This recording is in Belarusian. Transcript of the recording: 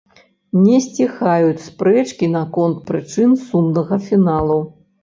Не сціхаюць спрэчкі наконт прычын сумнага фіналу.